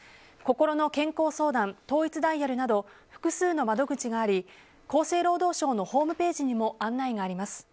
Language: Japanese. こころの健康相談統一ダイヤルなど、複数の窓口があり厚生労働省のホームページにも案内があります。